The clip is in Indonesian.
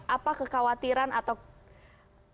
apa kekhawatiran atau kegentingan